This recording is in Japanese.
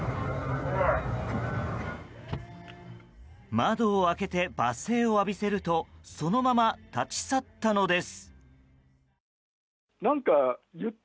窓を開けて罵声を浴びせるとそのまま立ち去ったのです。